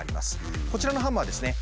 こちらのハンマーはですね